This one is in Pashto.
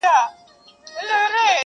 o پورته گورم پړانگ دئ، کښته گورم پاڼ دئ!